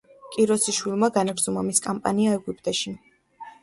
კიროსის შვილმა განაგრძო მამის კამპანია ეგვიპტეში.